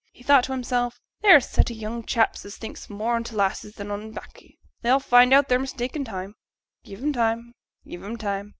He thought to himself: 'They're a set o' young chaps as thinks more on t' lasses than on baccy; they'll find out their mistake in time; give 'em time, give 'em time.'